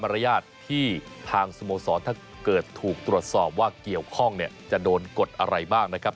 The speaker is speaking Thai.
รยาทที่ทางสโมสรถ้าเกิดถูกตรวจสอบว่าเกี่ยวข้องเนี่ยจะโดนกดอะไรบ้างนะครับ